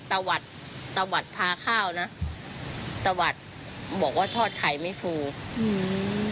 ตะวัดตะวัดพาข้าวนะตะวัดบอกว่าทอดไข่ไม่ฟูอืม